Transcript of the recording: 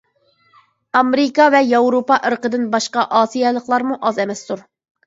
ئامېرىكا ۋە ياۋروپا ئىرقىدىن باشقا ئاسىيالىقلارمۇ ئاز ئەمەستۇر.